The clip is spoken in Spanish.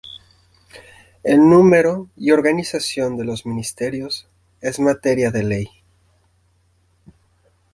El número y organización de los Ministerios es materia de ley.